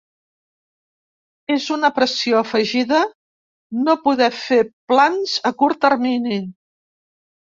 És una pressió afegida no poder fer plans a curt termini.